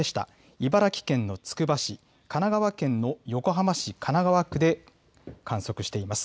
茨城県のつくば市、神奈川県の横浜市神奈川区で観測しています。